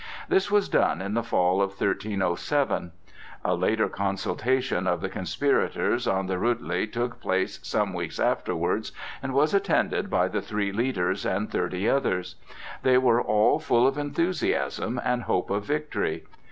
This was done in the fall of 1307. A later consultation of the conspirators on the Ruetli took place some weeks afterwards, and was attended by the three leaders and thirty others. They were all full of enthusiasm and hope of victory.